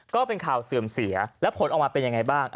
ก็เป็นข่าวเสื่อมเสียและผลออกมาเป็นยังไงบ้าง